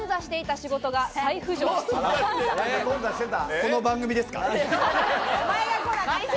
この番組ですか？